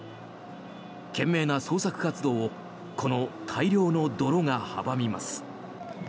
懸命な捜索活動をこの大量の泥が阻みます。